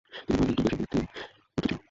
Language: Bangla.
তিনি বলিলেন, দুর্গাসিংহের তিন পুত্র ছিল।